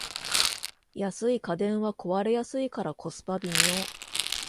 安い家電は壊れやすいからコスパ微妙